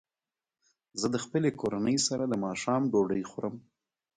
زه د خپلې کورنۍ سره د ماښام ډوډۍ خورم.